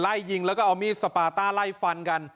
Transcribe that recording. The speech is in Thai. ไล่ยิงแล้วก็เอามีดสปาต้าไล่ฟันกัน